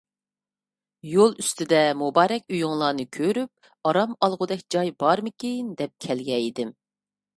يول ئۈستىدە مۇبارەك ئۆيۈڭلارنى كۆرۈپ، ئارام ئالغۇدەك جاي بارمىكىن دەپ كەلگەنىدىم.